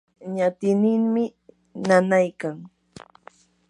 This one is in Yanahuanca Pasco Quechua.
ñatinninmi nanaykan.